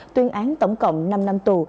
tuyên án tổng cộng năm năm tù